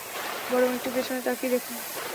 বরং একটু পেছনে তাকিয়ে দেখুন।